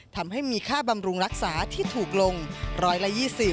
ทำให้มีค่าบำรุงรักษาที่ถูกลง๑๒๐